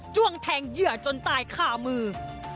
้วงแทงเหยื่อจนตายคามือ